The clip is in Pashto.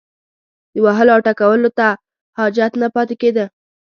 وهلو او ټکولو ته حاجت نه پاتې کېده.